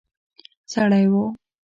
سړی وو.